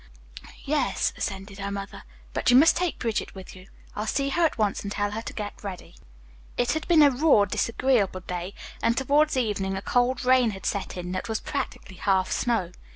"Yes," assented her mother, "but you must take Bridget with you. I'll see her at once and tell her to get ready." It had been a raw, disagreeable day, and towards evening a cold rain had set in that was practically half snow.